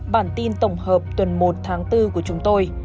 bản tin tổng hợp tuần một tháng bốn của chúng tôi